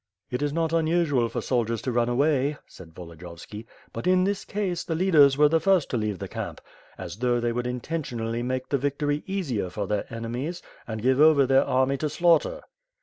"It is not unusual for soldiers to run away," said Volodiyo vski, *^ut in this case, the leaders were the first to leave the camp; as though they would intentionally make the victory easier for their enemies, and give over their army to slaughter."